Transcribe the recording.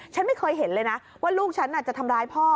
ฉันไม่เคยเห็นเลยนะว่าลูกฉันจะทำร้ายพ่อ